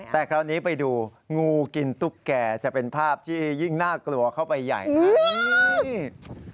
แต่คราวนี้ไปดูงูกินตุ๊กแก่จะเป็นภาพที่ยิ่งน่ากลัวเข้าไปใหญ่นะครับ